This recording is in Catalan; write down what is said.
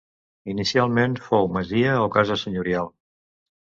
Inicialment fou masia o casa senyorial.